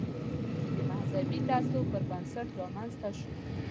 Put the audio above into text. چې د مذهبي تعصب پر بنسټ رامنځته شو.